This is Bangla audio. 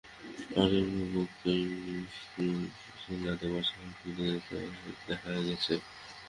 অনেক অভিভাবককে শিশুকে স্কুলে না দিয়ে বাসায় ফিরে যেতে দেখা গেছে।